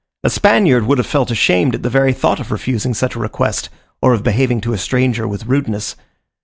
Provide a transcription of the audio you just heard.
A Spaniard would have felt ashamed at the very thought of refusing such a request, or of behaving to a stranger with rudeness.